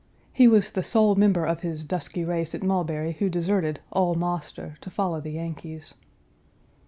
He was the sole member of his dusky race at Mulberry who deserted "Ole Marster" to follow the Yankees.